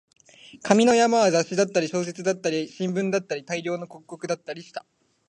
紙の山は雑誌だったり、小説だったり、新聞だったり、大量の広告だったりした